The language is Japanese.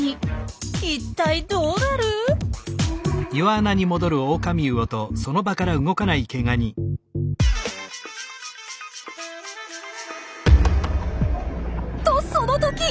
一体どうなる？とその時。